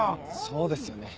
そうですよね。